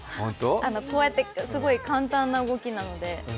こうやってすごい簡単な動きなので。